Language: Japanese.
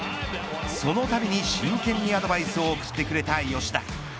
そのたびに真剣にアドバイスを送ってくれた吉田。